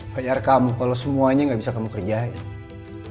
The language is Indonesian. bayar kamu kalau semuanya gak bisa kamu kerjain